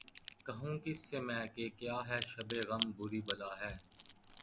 کہوں کس سے میں کہ کیا ہے شب غم بری بلا ہے